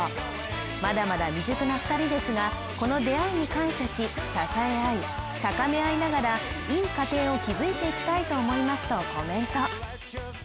まだまだ未熟な２人ですがこの出会いに感謝し支え合い、高め合いながらいい家庭を築いていきたいと思いますとコメント。